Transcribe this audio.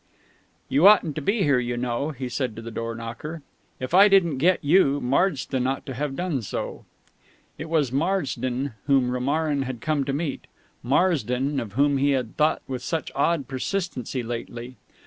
"You oughtn't to be here, you know," he said to the door knocker. "If I didn't get you, Marsden ought to have done so...." It was Marsden whom Romarin had come to meet Marsden, of whom he had thought with such odd persistency lately.